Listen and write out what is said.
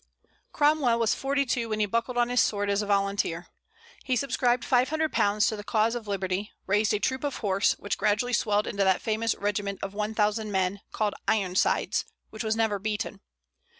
Cromwell was forty two when he buckled on his sword as a volunteer. He subscribed five hundred pounds to the cause of liberty, raised a troop of horse, which gradually swelled into that famous regiment of one thousand men, called "Ironsides," which was never beaten.